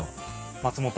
松本。